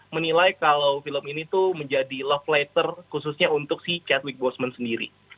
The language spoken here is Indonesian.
menilai kalau film ini tuh menjadi love letter khususnya untuk si chadwick boseman sendiri